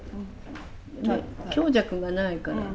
強弱がないから。